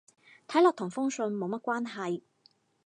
睇落同封信冇乜關係